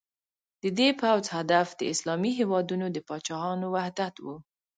د دې پوځ هدف د اسلامي هېوادونو د پاچاهانو وحدت و.